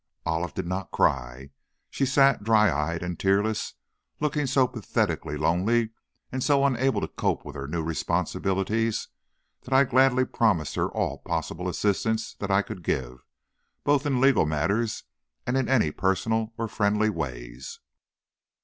Olive did not cry. She sat, dry eyed and tearless, looking so pathetically lonely and so unable to cope with her new responsibilities, that I gladly promised her all possible assistance that I could give, both in legal matters and in any personal or friendly ways.